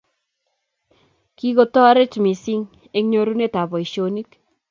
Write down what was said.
Kikotorit misng eng nyorunet ab bosihionik